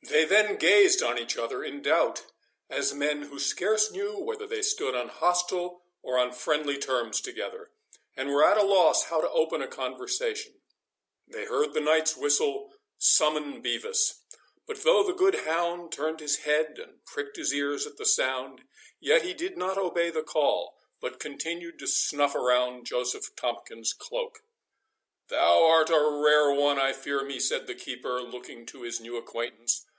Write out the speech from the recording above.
They then gazed on each other in doubt, as men who scarce knew whether they stood on hostile or on friendly terms together, and were at a loss how to open a conversation. They heard the knight's whistle summon Bevis; but though the good hound turned his head and pricked his ears at the sound, yet he did not obey the call, but continued to snuff around Joseph Tomkins's cloak. "Thou art a rare one, I fear me," said the keeper, looking to his new acquaintance.